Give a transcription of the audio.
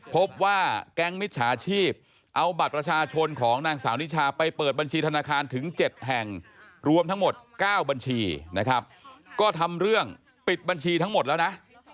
พบว่าแก๊งมิจฉาชีพเอาบัตรประชาชนของนางสาวนิชาไปเปิดบัญชีธนาคารถึง๗แห่งรวมทั้งหมด๙บัญชีนะครับก็ทำเรื่องปิดบัญชีทั้งหมดแล้วนะ